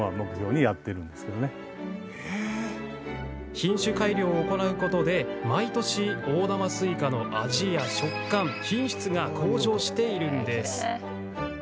品種改良を行うことで毎年、大玉スイカの味や食感品質が向上しているんです。